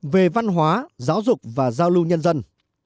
về văn hóa giáo dục và giao lưu nhân dân